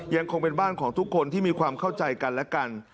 ยังคงเป็นบ้านของทุกคนที่มีความเข้าใจกันและกัน